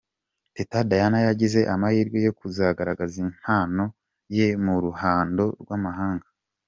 Teta Diana yagize amahirwe yo kuzagaragaza impano ye mu ruhando rw'amahanga.